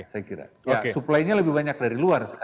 supplynya lebih banyak dari luar